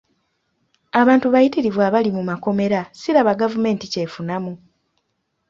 Abantu bayitirivu abali mu makomera siraba gavumenti kyefunamu.